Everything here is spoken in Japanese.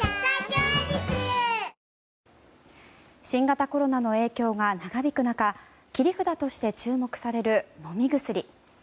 新型コロナの影響が長引く中切り札として注目される飲み薬。